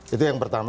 itu yang pertama